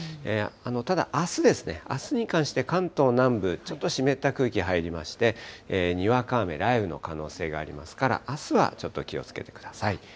ただ、あすですね、あすに関して関東南部、ちょっと湿った空気入りまして、にわか雨、雷雨の可能性がありますから、あすはちょっと気をつけてください。